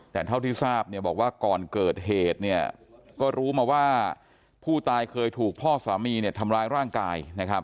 แต่เท่าที่ทราบบอกว่าก่อนเกิดเหตุก็รู้มาว่าผู้ตายเคยถูกพ่อสามีทำร้ายร่างกาย